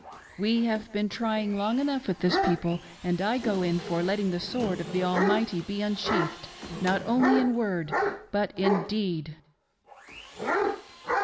" We have been trying long enough with this people, and I go in for letting the sword of the Almighty be unsheathed, not only in word but in deed."